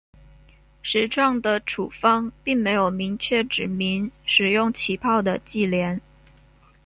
始创的处方并没有明确指明使用起泡的忌廉。